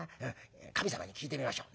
神様に聞いてみましょう。